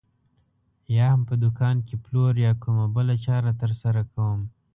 یا هم په دوکان کې پلور یا کومه بله چاره ترسره کوم.